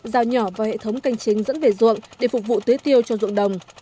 giao nhỏ vào hệ thống canh chính dẫn về ruộng để phục vụ tế tiêu cho ruộng đồng